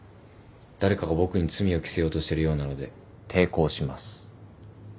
誰かが僕に罪を着せようとしてるようなので抵抗します。